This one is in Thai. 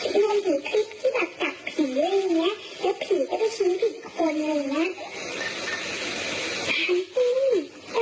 มีการถือคลิปที่แบบกับผีอะไรอย่างนี้แล้วผีก็ไปชิงผิดคนอะไรอย่างนี้